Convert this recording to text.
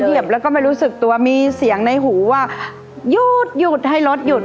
เหยียบแล้วก็ไม่รู้สึกตัวมีเสียงในหูว่าหยุดหยุดให้รถหยุด